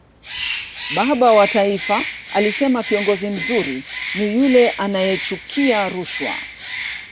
baba wa taifa alisema kiongozi mzuri ni yule anayechukia rushwa